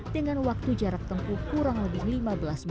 dengan waktu jarak tempuh kurang lebih lima belas menit